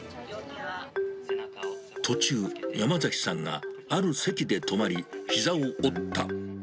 途中、山崎さんがある席で止まり、ひざを折った。